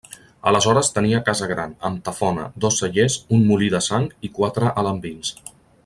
Aleshores tenia casa gran, amb tafona, dos cellers, un molí de sang i quatre alambins.